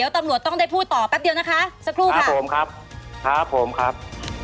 กันได้พูดต่อแป๊บเดียวนะคะสักครู่ครับ